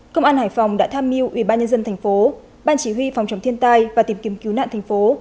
công an hải phòng đã tham mưu ủy ban nhân dân thành phố ban chỉ huy phòng chống thiên tai và tìm kiếm cứu nạn thành phố